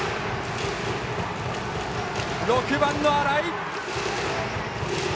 ６番の新井！